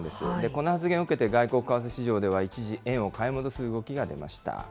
この発言を受けて外国為替市場では一時、円を買い戻す動きが出ました。